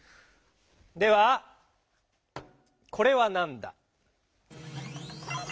ではこれはなんだ？